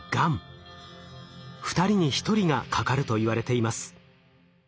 ２人に１人がかかるといわれています。